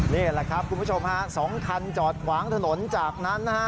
นี่แหละครับคุณผู้ชมฮะ๒คันจอดขวางถนนจากนั้นนะฮะ